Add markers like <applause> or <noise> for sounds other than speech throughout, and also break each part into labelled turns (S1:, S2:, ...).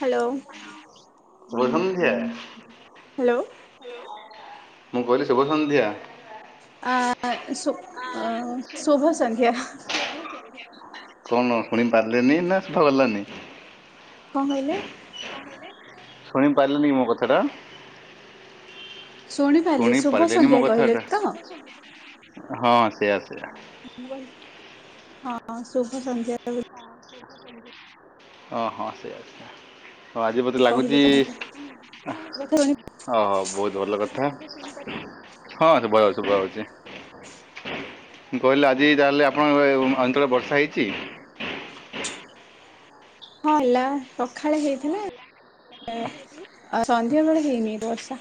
S1: Hello.
S2: ଶୁଭ ସନ୍ଧ୍ୟା।
S1: Hello.
S2: ମୁଁ କହିଲି ଶୁଭ ସନ୍ଧ୍ୟା।
S1: ଆ ସୁ ଉ ଶୁଭ ସନ୍ଧ୍ୟା।
S2: କଣ ଶୁଣି ପାରିଲିନି ନା ସୁଭା ଗଲାନି?
S1: କଣ କହିଲେ?
S2: ଶୁଣି ପାରିଲନି କି ମୋ କଥା ଟା?
S1: ଶୁଣିପାରିଲି
S2: ଶୁଣି
S1: ଶୁଭ
S2: ପାରିଲେନି ମୋ
S1: ସନ୍ଧ୍ୟା କହିଲେ
S2: କଥାଟା
S1: ତ?
S2: ହଁ ସେଇୟା ସେୟା।
S1: ମୁ ହଁ ଶୁଭ ସନ୍ଧ୍ୟା ବ
S2: ହ ହଁ ସେଇଆ ସେଇଆ। ହଁ ଆଜି ମତେ
S1: ବୋଲି କହିଲେ
S2: ଲାଗୁଛି
S1: ତ ମୋ କଥା ଶୁଣି
S2: ଓହୋ ବହୁତ ଭଲ କଥା। ହଁ ଶୁଭ ହଉ ଶୁଭ ହଉଛି କହିଲି ଆଜି ତାହେଲେ ଆ ଆପଣଙ୍କ ଅ ଅଞ୍ଚଳ ବର୍ଷା ହେଇଛି।
S1: ହଁ ହେଲା ସଖାଳେ ହେଇଥିଲା। ସନ୍ଧ୍ୟାବେଳେ ହେଇନି ବର୍ଷା।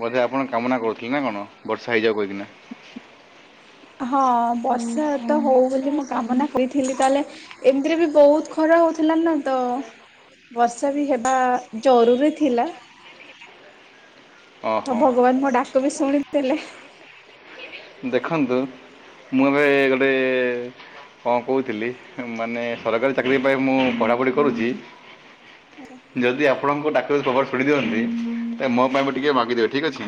S2: ବୋଧେ ଆପଣ କାମନା କରୁଥିଲେ ନା କଣ ବର୍ଷା ହେଇଯାଉ କହିକିନା।
S1: ହଁ ବର୍ଷା ତ ହଉ ବୋଲି ମୁଁ କାମନା କରିଥିଲି ତାହେଲେ ଏମିତିରେ ବି ବହୁତ ଖରା ହଉଥିଲା ନା ତ ବର୍ଷା ବି ହେବା ଜରୁରୀ ଥିଲା। ଆଉ
S2: ଓହୋ।
S1: ଭଗବାନ ମୋ ଡାକ ବି ଶୁଣି ଦେ ଥିଲେ।
S2: ଦେଖନ୍ତୁ। ମୁଁ ଏବେ ଗୋଟେ କଣ କହୁଥିଲି ମାନେ ସରକାରୀ ଚାକିରୀ ପାଇଁ ମୁଁ ପଢ଼ାପଢ଼ି କରୁଛି ଯଦି ଆପଣଙ୍କୁ ଡା ତ ଖବର ଶୁଣି ଦିଅନ୍ତିି ମୋ ପାଇଁ ବି ଟିକେ ମାଗିଦେବେ ଠିକ୍ ଅଛି।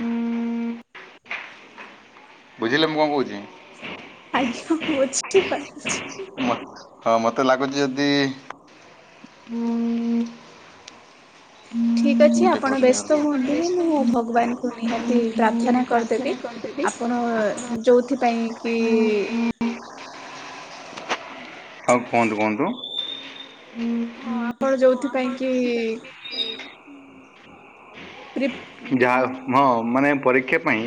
S2: ବୁଝିଲେ, ମୁଁ କଣ କହୁଛି?
S1: ଠିକ୍ ଅଛି।
S2: ହଁ ମତେ ଲାଗୁଛି ଯଦି ହୁଁ।
S1: ଠିକ୍ ଅଛି ଆପଣ ବ୍ୟସ୍ତ ହୁଅନ୍ତିନି ମୁଁ ଭଗବାନ ଙ୍କୁ ନିହାତି ପ୍ରାର୍ଥନା କରିଦେବି। ଆପଣ ଯୋଉଥି ପାଇଁ କି
S2: ଆଉ କୁହନ୍ତୁ କୁହନ୍ତୁ। ହୁଁ ହଁ
S1: ଆପଣ ଯୋଉଥିପାଇଁ
S2: ଆପଣ
S1: କି
S2: ଯୋଉଥି
S1: ପ୍ରି
S2: ପାଇଁକି ଯାହା ହଁ ମାନେ ପରୀକ୍ଷା ପାଇଁ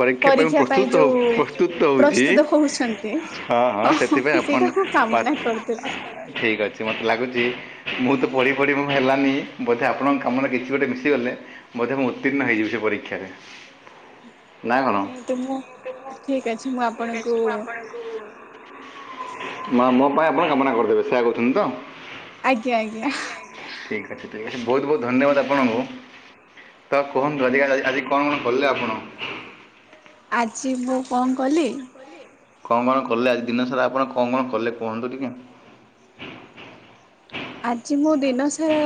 S2: ପରୀକ୍ଷା ପାଇଁ ମୁ ପ୍ରସ୍ତୁତ ହଉ ପ୍ରସ୍ତୁତ ହଉଛି
S1: ପ୍ରସ୍ତୁତ ହଉଛନ୍ତି
S2: ହଁ ହଁ ସେ
S1: ସେଇଟା
S2: ଆପଣ୍ଡ୍
S1: ମୁଁ
S2: ପା
S1: କାମନା କରିଦେବି
S2: ଠିକ୍ ଅଛି ମତେ ଲାଗୁ ଟିକ୍ ମୁଁ ତ ପଢ଼ି ପଢ଼ି ମୁଁ ହେଲାନି ବୋଧେ ଆପଣଙ୍କ କାମରେ କିଛି ଗୋଟେ ମିଶିଗଲେ ବୋଧେ ମୁଁ ଉତି ନ୍ନ ହେଇଯିବି ସେ ପରୀକ୍ଷାରେ। ନା କଣ?
S1: ନିହାତି ମୁଁ ଠିକ୍ ଅଛି ମୁଁ ଆପଣଙ୍କୁ
S2: ମା ମୋ ପାଇଁ ଆପଣ କାମନା କରିଦେବେ ସେଇଆ କହୁଛନ୍ତି ତ?
S1: ଆଜ୍ଞା ଆଜ୍ଞା।
S2: ବୋହୁତ୍ ବୋହୁତ୍ ଧନ୍ୟବାଦ ଆପଣଙ୍କୁ ତ କୁହନ୍ତୁ ଅଧିକା ଆଜି ଆଜି କଣ କଲେ ଆପଣ?
S1: ଆଜି ମୁଁ କଣ କଲି?
S2: କଣ କଣ କଲେ ଆଜି ଦିନ ସାରା ଆପଣ କଣ କଣ କଲେ କୁହନ୍ତୁ ଟିକେ?
S1: ଆଜି ମୁଁ ଦିନ ସାରା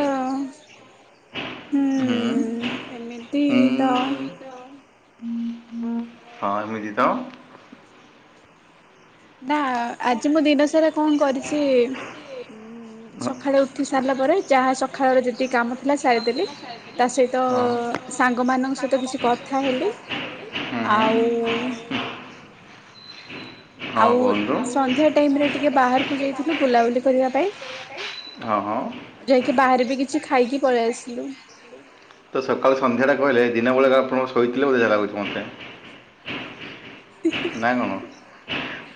S1: ହୁଁ ଏମିତି
S2: ହୁଁ
S1: ତ।
S2: ହଁ ଏମିତି ତ।
S1: ନା ଆଜି ମୁଁ ଦିନ ସାରା କଣ କରିଛି ସଖାଳେ ଉଠି ସାରିଲା ପରେ ଚାହା ସଖାଳର ଯେତିକି କାମ ଥିଲା ସାରିଦେଲି। ତା ସହିତ
S2: ହଁ
S1: ସାଙ୍ଗ ମାନଙ୍କ ସହିତ କିଛି କଥା ହେଲି।
S2: ହୁଁ
S1: ଆଉ
S2: ହୁଁ ହଁ
S1: ଆଉ
S2: କୁହନ୍ତୁ
S1: ସନ୍ଧ୍ୟା ଟାଇମ୍ ରେ ଟିକେ ବାହାରକୁ ଯାଇଥିଲୁ ବୁଲାବୁଲି କରିବା ପାଇଁ।
S2: ପାଇଁ ହଁ ହଁ
S1: ଯାଇକି ବାହାରେ ବି କିଛି ଖାଇକି ପଳେଇ ଆସିଲୁ।
S2: ତ ସକାଳୁ ସନ୍ଧ୍ୟାଟା କହିଲେ ଦିନ ବେଳେ ଆପଣଙ୍କୁ ଶୋଇଥିଲେ ବୋଧେ ଲାଗୁଛି ମତେ। ନା କଣ?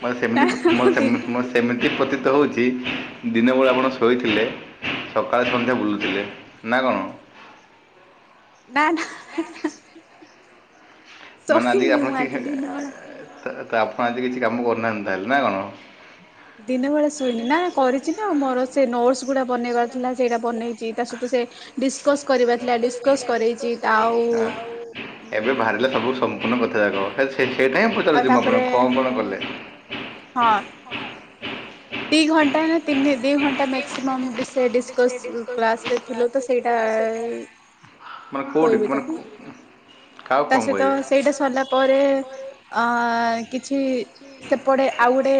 S2: ମଏ
S1: ନା
S2: ସେମିତି ପ୍ର ମଏ
S1: ଦିନ
S2: ସେମି ମତେ ସେମିତି ପ୍ରତୀତ ହୋଉଛି ଦିନବେଳେ ଆପଣ ଶୋଇଥିଲେ। ସକାଳେ ସନ୍ଧ୍ୟା ବୁଲୁଥିଲେ ନା କଣ?
S1: ନା ନା।
S2: ମାନେ ଆଜିକି
S1: ଶୋଇନି
S2: ଆପଣ
S1: ମୁଁ
S2: କି
S1: ଆଜି
S2: ଖା
S1: ଦିନ ବେଳା।
S2: <unintelligible> ତ ଆପଣ ଆଜି କିଛି କାମ କରୁନାହାନ୍ତି ତାହେଲେ ନା କଣ?
S1: ଦିନ ବେଳେ ଶୋଇନି ନା କରିଛି ନା ମର ସେ ନୋଟ୍ ସ୍ ଗୁଡ଼ା ବ ବନେଇବାର୍ ଥିଲା ସେଇଟା ବନେଇଛି ତା ସହିତ ସେ ଡିସ୍ କସ୍ କରିବାର୍ ଥିଲା ଡିସ୍ କସ୍ କରେଇଚି ଆଉ
S2: ଏବେ ବାହାରିଲା ସବୁ ସମ୍ପୁର୍ଣ୍ଣ କଥା ଯାକ। ହେ ସେଇଟା ହିଁ ପଚାରୁଛି
S1: ଆଉ
S2: ମୁଁ
S1: ତାପରେ
S2: ଆପଣଙ୍କୁ କଣ କଣ କଲେ।
S1: ହଁ ଦି ଘଣ୍ଟା ନା ତିନି ଦି ଘଣ୍ଟା ମ୍ୟାକ୍ସିମମ୍ ଡିସ୍ ସେ ଡିସ୍ କସ୍ କ୍ଲାସ୍ ରେ ଥିଲୁ ତ ସେଇଟା
S2: ମାନେ
S1: କଣ
S2: କେଉଁଠି
S1: କହିବି
S2: ମାନେ
S1: ତାକୁ?
S2: କାହାକୁ
S1: ତା
S2: କ'ଣ
S1: ସହିତ
S2: କହିବେ
S1: ସେଇଟା ସରିଲା ପରେ ଅ କିଛି ସେପଟେ ଆଉ ଗୋଟେ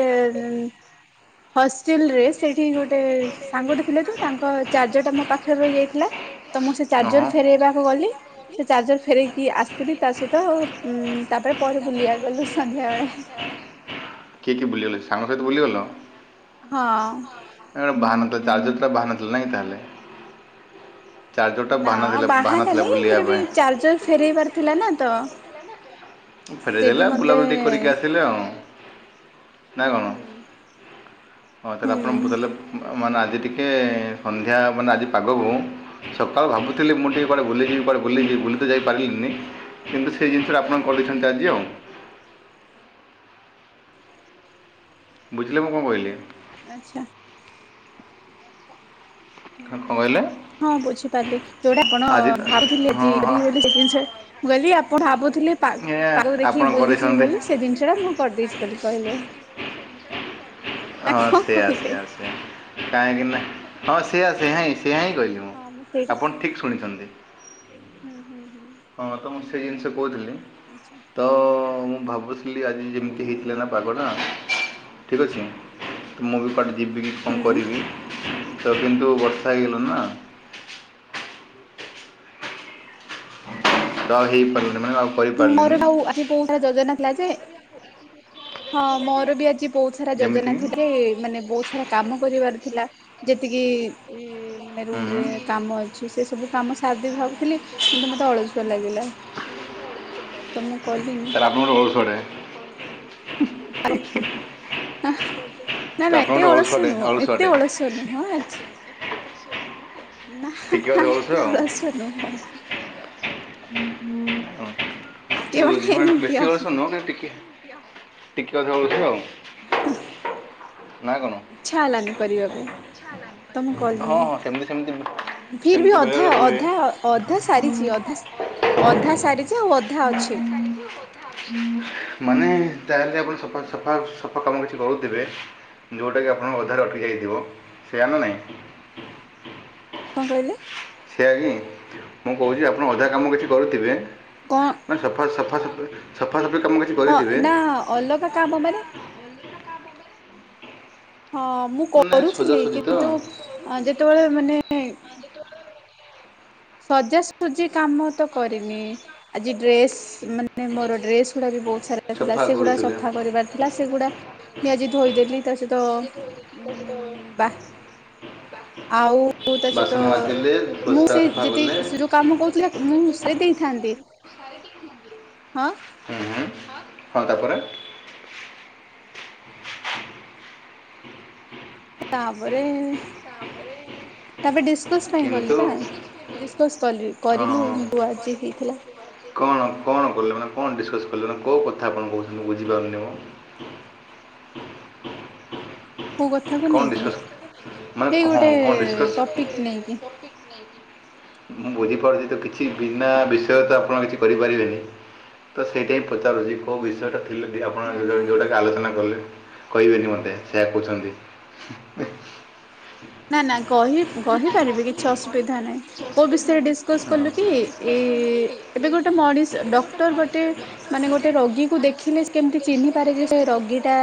S1: ହଷ୍ଟେଲ୍ ରେ ସେଇଠି ଗୋଟେ ସାଙ୍ଗଟେ ଥିଲେ ତ ତାଙ୍କ ଚାର୍ଜର୍ ଟା ମୋ ପାଖରେ ରହି ଯାଇଥିଲା ତ ମୁଁ ସେ
S2: ହଁ
S1: ଚାର୍ଜର୍ ଫେରେଇବାକୁ ଗଲି। ସେ ଚାର୍ଜର ଫେରଇକି ଆସିଲି ତା ସହିତ ଉଁମ୍ ତାପରେ ପରେ ବୁଲିଆ ଗଲୁ ସନ୍ଧ୍ୟାବେଳେ।
S2: କିଏ କିଏ ବୁଲିଗଲେ ସାଙ୍ଗ ସହିତ ବୁଲିଗଲ?
S1: ହଁ।
S2: ବାହାନା ଥିଲା ଚାର୍ଜର୍ ଟା ବାହାନା ଥିଲା ନାଁ କି ତାହେଲେ? ଚାର୍ଜରଟା
S1: ନା
S2: ବାହାନା ଥିଲା
S1: ବାହାନା
S2: ଥିଲା
S1: ନାଇଁ
S2: ବୁଲିବା
S1: ଏମିତିରେ ବି
S2: ପାଇଁ
S1: ଚାର୍ଜର ଫେରେଇବାର ଥିଲା ନା ତ। ସେ ବି
S2: ଫେରେଇଦେଲେ
S1: ମତେ
S2: ବୁଲାବୁଲି କରିକି ଆସିଲେ ଆଉ। ନା କଣ
S1: ହୁଁ
S2: ହଁ ତାହେଲେ
S1: ହୁଁ
S2: ଆପଣ ପୁରାଲେ ବା ମାନେ ଆଜି ଟିକେ ସନ୍ଧ୍ୟା ମାନେ ଆଜି ପାଗକୁ ସକାଳୁ ଭାବୁଥିଲି ମୁଁ ଟିକେ କୁଆଡ଼େ ବୁଲିଯିବି କୁଆଡ଼େ ବୁଲିଯିବି ବୁଲିତ ଯାଇପରିଲିନି କିନ୍ତୁ ସେ ଜିନିଷ ଟା ଆପଣ ପଡ଼ିଛନ୍ତି ଆଜି ଆଉ। ବୁଝିଲେ ମୁଁ କଣ କହିଲି?
S1: ଆଚ୍ଛା।
S2: କଁ କହିଲେ?
S1: ହଁ ବୁଝିପାରିଲି ଯୋଉଟା ଆପଣ
S2: ଆଜି
S1: ଭାବୁଥିଲି
S2: ହଁ
S1: ଆଜି
S2: ହଁ
S1: କରିବି ବୋଲି ସେ ଜିନିଷ‌। ବୋଲି ଆପଣ ଭାବୁଥିଲେ ପା
S2: ଏ
S1: ପାଗକୁ
S2: ଆପଣ
S1: ଦେଖିକି ବୁଲିଯିବି
S2: କରିଛନ୍ତି
S1: ବୋଲି ସେ ଜିନିଷ ଟା ମୁଁ କରିଦେଇଛି। ବୋଲି କହିଲେ। ନା
S2: ହଁ
S1: କଣ
S2: ସେୟା
S1: କହିଲେ?
S2: ସେୟା ସେଆ କାହିଁକି ନା ହଁ ସେଆ ସେଆ ହିଁ। ସେୟା ହିଁ କହିଲି ମୁଁ
S1: ହଁ ସେଇଟା
S2: ଆପଣ ଠିକ ଶୁଣିଛନ୍ତି।
S1: ହୁଁ ହୁଁ ହୁଁ
S2: ହଁ ତ ମୁଁ ସେ ଜିନିଷ କହୁଥିଲି।
S1: ଆଚ୍ଛା।
S2: ତ ମୁଁ ଭାବୁଥିଲି ଆଜି ଯେମିତି ହେଇଥିଲା ନା ପାଗଟା ଠିକ୍ ଅଛି ତ ମୁଁ ବି କୁଆଡେ ଯିବ କି କଣ
S1: ହୁଁ।
S2: କରିବି
S1: ହୁଁ
S2: ତ କିନ୍ତୁ ବର୍ଷା ହେଇଗଲା ନା। ତ ଅଉ ହେଇ ପାରି‌ଲାନି ମାନେ ଆଉ।
S1: ମୋର
S2: କରିପାରିଲିନି
S1: ବହୁ ଆଜି ବହୁତ ସାରା ଯୋଜନା ଥିଲା ଯେ ହଁ ମୋର ବି ଆଜି। ବହୁତ ସାରା ଯୋଜନା
S2: ଯେମିତିକି
S1: ଥିଲା କି ଯେ ମାନେ ବହୁତ ସାରା କାମ କରିବାର ଥିଲା ଯେତିକି ଇ ମାନେ
S2: ହୁଁ
S1: ରୁମ
S2: ହୁଁ
S1: ରେ କାମ ଅଛି। ସେ ସବୁ କାମ ସାରଦେବି ଭାବୁଥିଲି କିନ୍ତୁ ମତେ ଅଳସୁଆ ଲାଗିଲା ତ ମୁ।
S2: ତାଏଲେ ଆପଣ ଗୋଟେ ଅଳସୁଆ ଟେ।
S1: ନା
S2: ତ
S1: ନା ଏତେ
S2: ଆପଣଙ୍କର
S1: ଅଳସ
S2: ଅଳସୁଆଟେ
S1: ନୁହଁ ଏତେ
S2: ଅଳସୁଆଟେ
S1: ଅଳସ ନୁହଁ ଆଜି ନା
S2: ଟିକେ
S1: ନା
S2: ଅଧେ
S1: ଏତେ
S2: ଆଉ
S1: ଅଳସୁଆ ନୁହଁ। ଟିକେ ମାନେ
S2: ହଁ
S1: ଏମିତି
S2: ବେଶୀ
S1: ଆଉ
S2: ଅଳଷ ନୁହଁ କିନ୍ତୁ ଟିକେ। ଟିକେ ଅଧେ ଅଳସୁଆ ଆଉ। ନା କ'ଣ
S1: ଇଚ୍ଛା ହେଲାନି କରିବାକୁ ତ ମୁଁ
S2: ହଁ
S1: କଲିିନି।
S2: ହଁ ସେମିତି ସେମିତି
S1: ଫିର ବି
S2: ସେମିତି
S1: ଅଧା
S2: ବେଳେବେଳେ ହୁଏ
S1: ଅଧା ଅଧା ସାରିଛି ଅଧା ଅଧା ସାରିଛି ଆଉ ଅ
S2: <unintelligible> ମାନେ ତାହେଲେ ଆପଣ ସଫା ସଫା ସଫା କାମ କିଛି କରୁଥିବେ। ଯୋଉଟା କି ଆପଣଙ୍କ ଅଧାରେ ଅଟକି ଯାଇଥିବ ସେୟା ନା ନାଇଁ?
S1: କଣ କହିଲେ?
S2: ସେଆ ହିଁ ମୁଁ କହୁଛି ଆପଣ ଅଧା କାମ କିଛି କରୁଥିବେ
S1: କଣ
S2: ମାନେ ସଫା ସଫା ସଫା‌। ସତ।
S1: ହଁ ନା ଅଲଗା କାମ ମାନେ। ହଁ ମୁଁ
S2: ମାନେ
S1: କରୁଥିଲି
S2: ସଜାସଜି ତ
S1: କିନ୍ତୁ‌ ଅଁ ଯେତେବେଳେ ମାନେ। ସଜାସଜି କାମ। ତ କରିନି ଆଜି ଡ୍ରେସ ମାନେ ମୋର ଡ୍ରେସ ଗୁଡା ବି ବହୁତ ସାରା ଥିଲା
S2: ସଫା
S1: ସେଗୁଡା
S2: କରୁଥିଲେ।
S1: ସଫା କ ରିବାର ଥିଲା ସେଗୁଡା ମୁଇ ଆଜି ଧୋଇଦଲି ତା ସହିତ। ତ ବା ଆଉ। ବହୁତ ଅଛି ତ
S2: ବାସନ ମାଜିଲେ
S1: ମୁଁ
S2: ପୋଷା
S1: ସେ
S2: ସଫା କଲେ
S1: ଯେତିକି ସେ ଯୋଉ କାମ କରୁଥିଲି ଆକ ମୁଁ ସେ ରି ଦେଇଥାନ୍ତି। ହଁ।
S2: ହୁଁ ହୁଁ ହଁ ତାପରେ।
S1: ତାପରେ ତାପରେ ଡିସକସ୍ ପାଇଁ
S2: କିନ୍ତୁ
S1: ଗଲିବା। ଡିସକସ୍ କଲି କରିଲୁୁ
S2: ହଁ
S1: ଯୋଉ ଆଜି ହେଇଥିଲା।
S2: କଣ କଣ କଲେ ମାନେ କଣ ଡିସକସ୍ କଲେ ମାନେ କୋଉ କଥା ଆପଣ କହୁଛନ୍ତି ମୁଁ ବୁଝିପାରୁନି ମ।
S1: କୋଉ କଥାକୁ
S2: କଣ
S1: ନେଇକି
S2: ଡିସକସ୍ ମାନେ
S1: ଏଇ
S2: ହଁ
S1: ଗୋଟେ
S2: କଣ ଡିସକସ୍
S1: ଟପିକ ନେଇକି।
S2: ମୁଁ ବୁଝିପାରୁଛି ତ କିଛି ବିନା ବିଷୟରେ ତ ଆପଣ କିଛି କରିପାରି ବେନି। ତ ସେଇଟା ହିଁ ପଚାରୁଛି କୋଉ ବିଷୟ ଟା ଥିଲା ଆପଣ
S1: ନା
S2: ଯ
S1: ନା
S2: ଯୋଉଟାକ ଆଲୋଚନା କଲେ? କହିବେନି ମତେ ସେଆ କହୁଛନ୍ତି।
S1: ନା ନା କହି କହିପାରିବି କିଛି ଅସୁବିଧା ନାହିଁ କୋଉ ବିଷୟରେ ଡିସକସ କଲୁ କି ଏ ଏବେ ଗୋଟେ ମଣିଷ ଡକ୍ଟର ଗୋଟେ ମାନେ ଗୋଟେ ରୋଗୀକୁ ଦେଖିଲେ କେମିତି ଚିହ୍ନି ପା ପାରେ ଯେ ସେ ରୋଗୀ ଟା।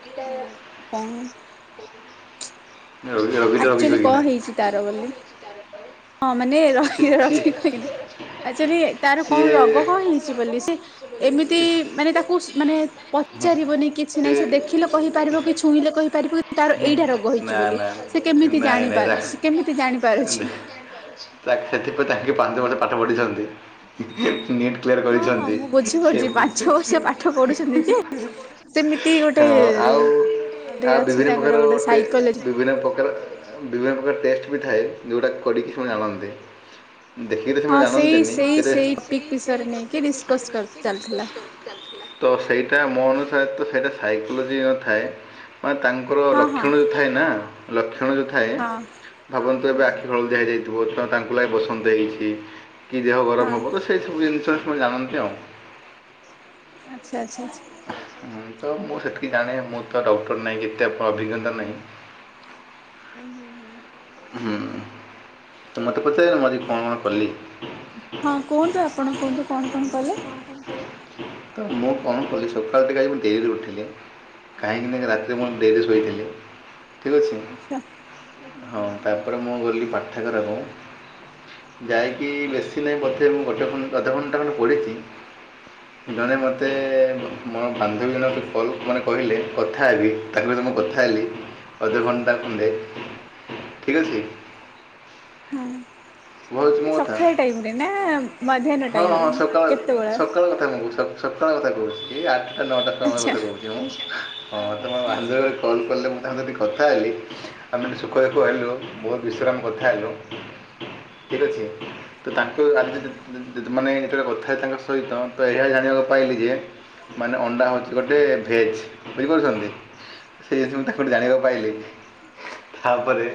S2: <unintelligible>
S1: କାଇଁ?
S2: <inaudible> ରୋଗୀ
S1: ଆକ୍ଚୁଆଲି କଣ
S2: କହିକିନା
S1: ହେଇଛି ତାର ବୋଲି? ହଁ ମାନେ
S2: ଛି
S1: ରଖି
S2: ଛି
S1: ରଖି କହିହକ ଆଚୁଆଲି ତାର କଣ ରୋଗ କଣ ହେଇଛି ବୋଲି? ଏମିତି ମାନେ ତାକୁ ମାନେ ପଚାରିବନି କିଛି ନାହିଁ। ସେ ଦେଖିଲ କହିପାରିବ କି ଛୁ ଛୁଇଁଲେ କହିପାରିବୁ କି ତାର ଏଇଟା ରୋଗ ହେଇଛି ବୋଲି।
S2: ନା, ନା,
S1: ସେ କେମିତି
S2: ନାଇଁ ନାଇଁ
S1: ଜାଣିପାରୁଛି କେମିତି ଜାଣିପାରୁଛି।
S2: ତାତିପ ତା <unintelligible> ପାନ୍ତି ମୋତେ ପାଠ ପଢିଛନ୍ତି।
S1: ହଁ ହଁ ମୁଁ ବୁଝିପାରୁଛି ପାଞ୍ଚ ବର୍ଷ ପାଠ ପଢୁଛନ୍ତି ଯେ ସେମତି
S2: ହଁ
S1: ଗୋଟେ
S2: ଆଉ ଆଉ
S1: ଅଛି
S2: ବିଭିନ୍ନ
S1: ତାଙ୍କର
S2: ପ୍ରକାର
S1: ଗୋଟେ ସାଇକୋଲୋଜି
S2: ବିଭିନ୍ନ ପ୍ରକାର ବିଭିନ୍ନ ପ୍ରକାର ଟେଷ୍ଟ ବି ଥାଏ ଯେଉଁଟା କରିକି ସେମାନେ ଆଣନ୍ତି। ଦେଖିକି ତ ସେ
S1: ହଁ ସେଇ
S2: ଜାଣନ୍ତିନି
S1: ସେଇ
S2: ତେବେ?
S1: ସେଇ ପିକ୍ ବିଷୟରେ ନେଇକି ଡିସକସ୍ ଚାଲିଥିଲା
S2: ତ ସେଇଟା ମୋ ଅନୁସାରେ ତ ସେଇଟା ସାଇକୋଲୋଜି ନ ଥାଏ। ମ ତାଙ୍କର
S1: ହଁ ହଁ
S2: ଲକ୍ଷଣ ଯେଉଁ ଥାଏ ନା ଲକ୍ଷଣ ଯେଉଁ ଥାଏ।
S1: ହଁ
S2: ଭାବନ୍ତୁ ଏବେ
S1: ହୁଁ।
S2: ଆଖି ହଳଦିଆ ହେଇଯାଇଛି। ତ ତାଙ୍କୁ ଲାଗି ବସନ୍ତ ହେଇଛି କି ଦେହ ଗରମ
S1: ହଁ
S2: ହେବ। ତ ସେ ସବୁ ଜି ଜାଣନ୍ତି ଆଉ।
S1: ଆଚ୍ଛା ଆଚ୍ଛା।
S2: ହଁ ତ ମୁଁ ସେତିକି ଜାଣେ ମୁଁ ତ ଡକ୍ଟର ନାହିଁ କେତେ ଅଭିଜ୍ଞତା ନାହିଁ।
S1: ଉଁ ହୁଁ ହୁଁ।
S2: ହୁଁ ତ ମୋତେ ପଚାର ମୁଁ ଆଜି କଣ କଣ କଲି?
S1: ହଁ କୁହନ୍ତୁ ଆପଣ କୁହନ୍ତୁ କଣ କଣ କଲେ?
S2: ତ ମୁଁ କଣ କଲି ସକାଳ ଟିକେ ଆଜି ମୁଁ ଡେରିରେ ଉଠିଲି। କାହିଁକି ନା ରାତିରେ ମୁଁ ଡେରି ଶୋଇଥିଲି। ଠିକ୍ ଅଛି
S1: ଆଚ୍ଛା।
S2: ହଁ ତାପରେ ମୁଁ ଗଲି ପାଠାଗାରା କୁ। ଯାଇକି ବେଶୀ ନାହିଁ ବୋଧେ ମୁଁ ଗୋଟେ ଅଧ ଘଣ୍ଟା ପଢିଛି। ଜଣେ ମତେ ମୋର ବାନ୍ଧବୀ ଜଣେ କହିଲେ ମାନେ କଥା ହେବି ତାଙ୍କ ସହ। ମୁଁ କଥା ହେଲି ଅଧ ଘଣ୍ଟେ ଖଣ୍ଡେ। ଠିକ୍ ଅଛି।
S1: ହଁ।
S2: ଶୁଭାଯାଉଛି
S1: ମାନେ
S2: ମୋ କଥା
S1: ସଖାଳେ ଟାଇମ୍ ରେ ନା ମଧ୍ୟାନ
S2: ହଁ
S1: ଟାଇମ୍
S2: ହଁ
S1: ରେ
S2: ସକାଳ
S1: କେତେବେଳେ।
S2: ସକାଳ କଥା ମୁଁ କହୁ- ସ- ସକାଳ କଥା କହୁଛି। ଆ ଆଟା ନଅଟା ସମୟ
S1: ଆଚ୍ଛା
S2: କଥା କହୁଛି। ମୁଁ ହଁ ତମ
S1: ଆଚ୍ଛା
S2: ବନ୍ଧୁ ମତେ କଲ୍ କଲେ ମୁଁ ତାଙ୍କ ଯଦି କଥା ହେଲି ଆମେ ସୁଖ ଦୁଃଖ ହେଲୁ। ବହୁତ ବିଷୟ ରେ କଥା ହେଲୁ। ଠିକ ଅଛି ତ ତାଙ୍କ ଆଜି ଜି-ଜି-ଯଦି ମାନେ ଯେତେବେଳେ କଥା ହେଲି ତାଙ୍କ ସହିତ ତ ଏହା ଜାଣିବାକୁ ପାଇଲି ଯେ ମାନେ ଅଣ୍ଡା ହଉଛି ଗୋଟେ ଭେଜ୍ ବୁଝିପାରୁଛନ୍ତି? ସେ ମୁଁ ତା କୋଠି ଜାଣିବାକୁ ପାଇଲିି। ତାପରେ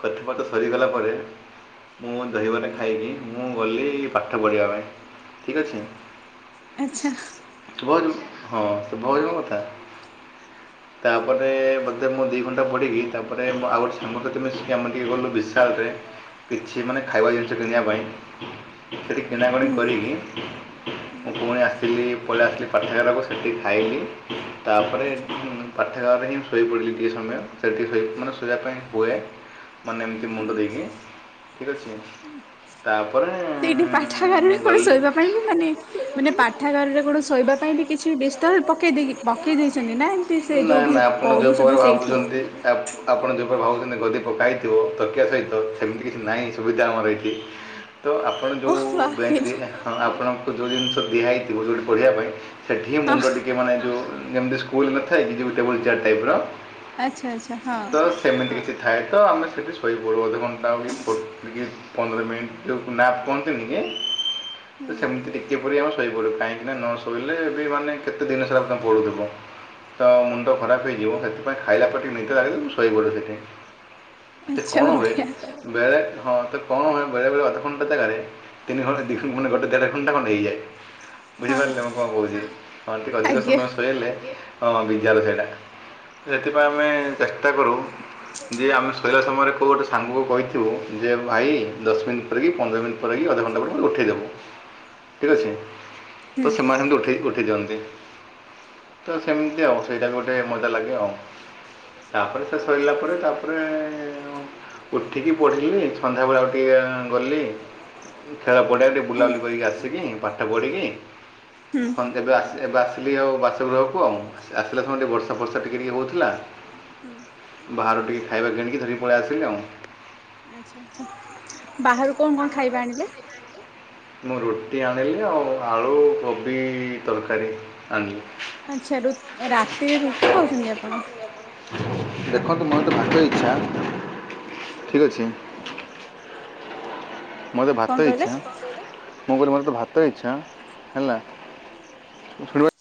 S2: କଥାପଥା ସରିଗଲା ପରେ ମୁଁ ଦହିବରା ଖାଇକି ମୁଁ ଗଲି ପାଠ ପଢିବା ପାଇଁ ଠିକ୍ ଅଛି।
S1: ଆଚ୍ଛା।
S2: ଶୁଭ ହେଉଛି ହଁ ଶୁଭା ଯାଉଛି ମୋ କଥା। ତାପରେ ବୋଧେ ମୁଁ ଦି ଘଣ୍ଟା ପଢିକି ତାପରେ ଆଉ ଗୋଟେ ସାଙ୍ଗଟେ ତ ତୁମେ ଆମେ ଟିକେ କଲୁ ବିଶ୍ରାମରେ ସେ ମାନେ ଖାଇବା ଜିନିଷ କିଣିବା ପାଇଁ। ସେଠି କିଣାକଣି
S1: ହୁଁ।
S2: କରିକି
S1: ହୁଁ
S2: ମୁଁ ପୁଣି ଆସିଲି ପଳେଇ ଆସିଲି। ପାଠାଗାରକୁ ସେଠି ଖାଇଲି ତାପରେ
S1: ଆଚ୍ଛା।
S2: ପାଠାଗାର ହିଁ ଶୋଇପଡିଲି ଟିକିଏ ସମୟ। ସେଇଠି ଶୋଇ ମାନେ ଶୋଇବା ପାଇଁ ହୁଏ। ମାନେ ଏମିତି ମୁଣ୍ଡ ଦେଇକି ଠିକ୍ ଅଛି। ତା'ପରେ
S1: ସେଇଠି ପାଠାଗାରରେ
S2: ମୁଁ
S1: କଣ
S2: ଗଲି
S1: ଶୋଇବା ପାଇଁ ବି ମାନେ ମାନେ ପାଠାଗାରରେ କଣ ଶୋଇବା ପାଇଁ ବି କିଛି ବିସ୍ତର ପକେଇ ଦେଇକି ପକେଇ ଦେଇଚନ୍ତି ନା ଏମିତି ସେ ଯୋଉଠି ପଢୁଚନ୍ତି ସେଇଠି।
S2: ଆପ ଆପଣ ଯୋଉପା ଭାବୁଚନ୍ତି ଗଦି ପକାଇଥିବ ତକିଆ ସହିତ ସେମିତି କିଛି ନାହିଁ ସୁବିଧା ଆମର ଏଇଠି ତ ଆପଣ ଯଉ
S1: ଓହ ହଁ
S2: ବେଞ୍ଚ୍ ଦେଇ ନା ଆପଣଙ୍କୁ ଯୋଉ ଜିନିଷ ଦିଆହେଇଥିବ ଯୋଉଠି ପଢ଼ିବା ପାଇଁ ସେଠି ମୁଣ୍ଡ ଟିକିଏ ମାନେ ଯୋଉ ଯେମିତି ସ୍କୁଲ ନଥାଏକି ଯେମିତି ଟେବୁଲ ଚେୟାର ଟାଇପ୍ ର
S1: ଆଚ୍ଛା ଆଚ୍ଛା ହଁ।
S2: ତ ସେମିତି କିଛି। ଥାଏ ତ ଆମେ ସେଠି ଶୋଇପଡ଼ୁ ଅଧ ଘଣ୍ଟା ଭଳି ପୁଟ୍ ଆଜ୍ଞା ପନ୍ଦର ମିନିଟ୍ ଯଉ ନାପ୍ କୁହନ୍ତିନି କି ତ
S1: ହୁଁ।
S2: ସେମିତି ଟିକିଏ ପରି ଆମେ ଶୋଇପଡ଼ିବ କାହିଁକି ନା ନ ଶୋଇଲେ ବି ମାନେ କେତେ ଦିନ ସାରା ପଡ଼ୁଥିବୁ। ତ ମୁଣ୍ଡ ଖରାପ ହେଇଯିବ ସେଥିପାଇଁ ଖାଇଲା ପରେ ଟିକେ ନିଦ ଲାଗିଲ ଶୋଇପଡେ ସେଥିପାଇଁ। ତି
S1: ଆଚ୍ଛା
S2: କଣ ହୁଏ।
S1: ବଢ଼ିଆ କଥା
S2: ବେଳେ ହଁ ତ କଣ ହୁଏ ବେଳେ ବେଳେ ଅଧ ଘଣ୍ଟା ଜାଗା ରେ ତିନି ଘଣ୍ଟା ଦି ଘ ମାନେ ଗୋଟେ ଦେଢ ଘଣ୍ଟା ଖଣ୍ଡେ ହେଇଯାଏ।
S1: ହଁ।
S2: ବୁଝିପାରିଲେ ମୁଁ କଣ କହୁଚି ହଁ ଟିକେ ଅଧିକ
S1: ଆଜ୍ଞା
S2: ସମୟ ଶୋଇଲେ ହଁ ବିଜାର ସେଇଟା। ସେଥିପାଇଁ ଆମେ ଚେଷ୍ଟା କରୁ ଯେ ଆମେ ଶୋଇଲା ସମୟରେ କୋଉ ଗୋଟେ ସାଙ୍ଗକୁ କହି ଥିବୁ ଯେ ଭାଇ ଦଶ ମିନିଟ୍ ପରେ କି ପନ୍ଦର ମିନିଟ୍ ପରେ କି ଅଧଘଣ୍ଟା ପରେ ଉଠେଇଦବୁ। ଠିକ୍ ଅଛି ତ
S1: ହୁଁ
S2: ସେମାନେ ଏମିତି ଉଠେଇ ଉଠେଇକି ଉଠେଇ ଦିଅନ୍ତି। ତ ସେମିତି ଆଉ ସେଇଟା ବି ଗୋଟେ ମଜା ଲାଗେ ଆଉ। ତାପରେ ସେ ସରିଲା ପରେ ତାପରେ ଉ ଉଠିକି ପଢ଼ିଲି ସନ୍ଧ୍ୟାବେଳେ ଆଉ ଟିକିଏ ଗଲି। ଖେଳ ପଡ଼ିଆରେ ଟିକେ ବୁଲାବୁଲି କରିକି ଆସିକି ପାଠ ପଢ଼ିକି
S1: ହୁଁ
S2: ହଁ ଏବେ ଏବେ ଆସିଲି ଆଉ ବାସଗୃହକୁ ଆଉ, ଆସିଲା ସମୟରେ ଟିକେ ବର୍ଷା ଫର୍ଷା ଟିକେ ଟିକେ ହଉଥିଲା।
S1: ହୁଁ
S2: ବାହାରୁ ଟିକେ ଖାଇବା କିଣିକି ଧରିକି ପଳେଇ ଆସିଲି ଆଉ।
S1: ଆଚ୍ଛା ଆଚ୍ଛା ବାହାରୁ କଣ କଣ ଖାଇବା ଆଣିଲେ?
S2: ମୁଁ ରୁଟି ଆଣିଲି ଆଉ ଆଳୁ କୋବି ତରକାରୀ ଆଣିଲି।
S1: ଆଚ୍ଛା ରୁ ରାତିରେ ରୁଟି ଖାଉଚନ୍ତି ଆପଣ।
S2: ଦେଖନ୍ତୁ ମୋର ତ ଭାତ ଇଚ୍ଛା ଠିକ୍ ଅଛି। ମୋତେ
S1: କଣ
S2: ଭାତ
S1: କହିଲେ?
S2: ଇଚ୍ଛା। ମୁଁ କହିଲି ମୋର ତ ଭାତ ଇଚ୍ଛା ହେଲା ଶୁଣିବ